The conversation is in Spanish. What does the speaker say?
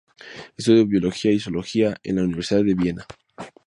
Estudió biología y zoología en la Universidad de Viena.